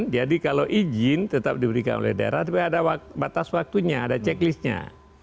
jadi kalau izin tetap diberikan oleh daerah tapi ada batas waktunya ada checklistnya